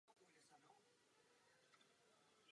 Svou filozofii stavěl na soudobé astronomii a lékařství.